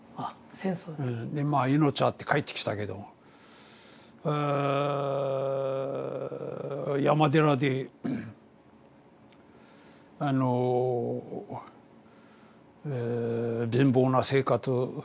でまあ命あって帰ってきたけどもう山寺であのえ貧乏な生活。